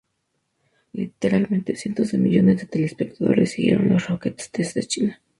Literalmente cientos de millones de telespectadores siguieron a los Rockets desde China.